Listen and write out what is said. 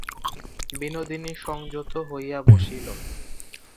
বিনোদিনী সংযত হইয়া বসিল।